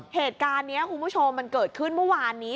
เหตุการณ์นี้คุณผู้ชมมันเกิดขึ้นเมื่อวานนี้